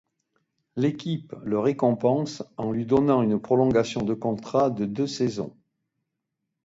L'équipe le récompense en lui donnant une prolongation de contrat de deux saisons.